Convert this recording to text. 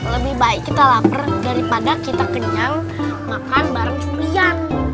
lebih baik kita lapar daripada kita kenyang makan bareng curian